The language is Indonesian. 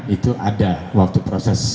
itu ada waktu proses